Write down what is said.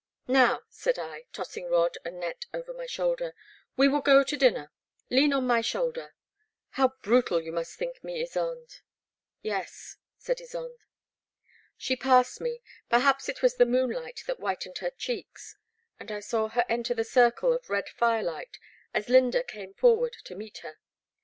'* Now,'* said I, tossing rod and net over my shoulder, we will go to dinner; lean on my shoulder ;— ^how brutal you must think me, Ysonde.'* Yes,*' said Ysonde. She passed me — ^perhaps it was the moonlight that whitened her cheeks — and I saw her enter the circle of red firelight as I^ynda came forward to meet her.